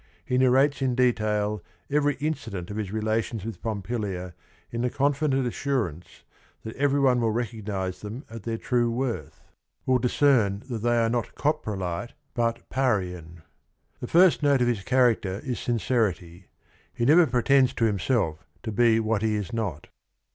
He narrates in detail every incident of his relations with Pompilia in the confident assurance that every one will recognize them at their true worth, will discern that they are not "coprolite" but "Parian." The first note of his c haracter is sincerity. He never" pretends to himself to be what he is not.